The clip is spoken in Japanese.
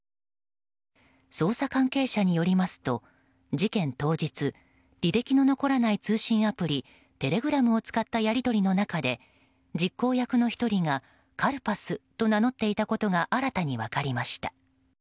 捜査関係者によりますと事件当日履歴の残らない通信アプリテレグラムを使ったやり取りの中で、実行役の１人がカルパスと名乗っていたことが新たに分かりました。